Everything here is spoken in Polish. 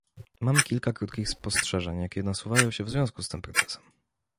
Mam kilka krótkich spostrzeżeń, jakie nasuwają się w związku z tym procesem